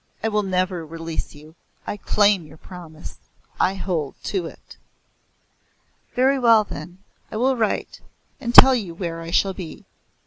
"I will never release you. I claim your promise. I hold to it." "Very well then I will write, and tell you where I shall be.